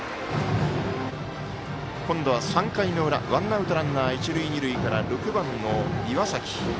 今度は３回の裏、ワンアウトランナー、一塁二塁から６番の岩崎。